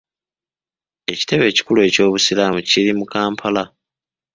Ekitebe ekikulu eky'Obusiraamu kiri mu Kampala.